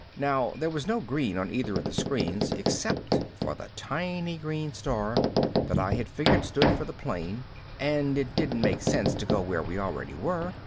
Now there was no green on either of the screens except for the tiny green star that I had figured stood for the plane and it didn't make sense to go where we already were.